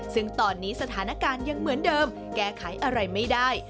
ซึ่งตอนนี้สถานการณ์ยังเหมือนเดิมแก้ไขอะไรไม่ได้